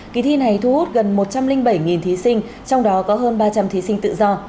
kỳ thi này thu hút gần một trăm linh bảy thí sinh trong đó có hơn ba trăm linh thí sinh tự do